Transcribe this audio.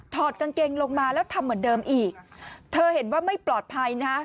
อดกางเกงลงมาแล้วทำเหมือนเดิมอีกเธอเห็นว่าไม่ปลอดภัยนะ